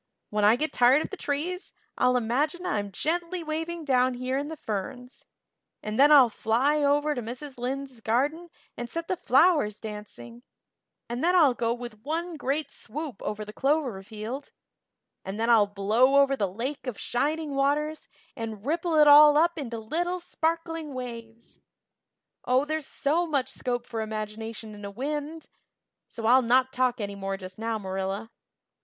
When I get tired of the trees I'll imagine I'm gently waving down here in the ferns and then I'll fly over to Mrs. Lynde's garden and set the flowers dancing and then I'll go with one great swoop over the clover field and then I'll blow over the Lake of Shining Waters and ripple it all up into little sparkling waves. Oh, there's so much scope for imagination in a wind! So I'll not talk any more just now, Marilla."